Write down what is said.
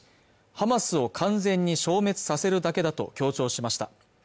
ハマスを完全に消滅させるだけだと強調しました